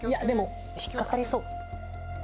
でも引っ掛かりそう。